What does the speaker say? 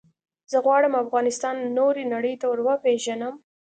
زه غواړم افغانستان نورې نړی ته وروپېژنم.